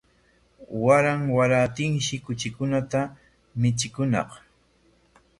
Waran waranshi kuchikunata michikuñaq